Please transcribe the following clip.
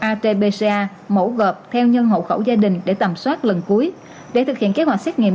rt pca mẫu gợp theo nhân hậu khẩu gia đình để tầm soát lần cuối để thực hiện kế hoạch xét nghiệm